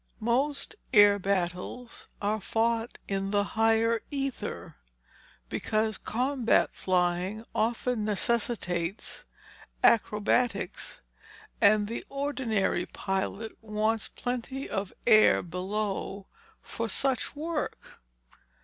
Most air battles are fought in the higher ether, because combat flying often necessitates acrobatics and the ordinary pilot wants plenty of air below for such work.